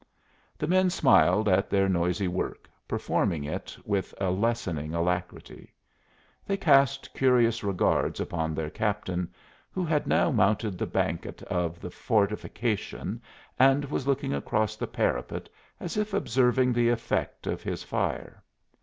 The men smiled at their noisy work, performing it with a lessening alacrity. They cast curious regards upon their captain, who had now mounted the banquette of the fortification and was looking across the parapet as if observing the effect of his fire.